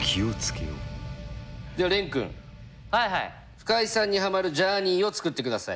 深井さんにはまるジャーニーを作ってください。